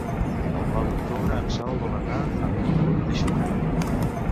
El nou d'octubre en Sol vol anar a Benicull de Xúquer.